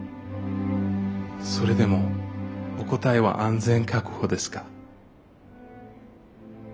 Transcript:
それでもお答えは「安全確保」ですか？